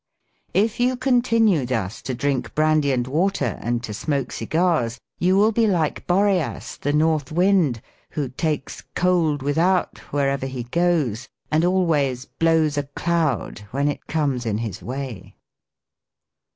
" If you continue thus to drink brandy and water and to smoke cigars, you will be like Boreas the North wind, who takes ' cold without' wherever he goes, and always '. blows a cloud' when it comes in his way."